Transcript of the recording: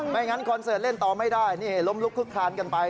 ไม่งั้นคอนเสิร์ตเล่นต่อไม่ได้ล้มลุกคุกขาดกันไป